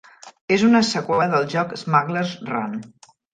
És una seqüela del joc "Smuggler's Run".